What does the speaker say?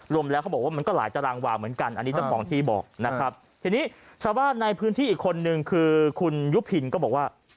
รวมแล้วเขาบอกว่ามันก็หลายตารางวาเหมือนกันอันนี้เจ้าของที่บอกนะครับทีนี้ชาวบ้านในพื้นที่อีกคนนึงคือคุณยุพินก็บอกว่า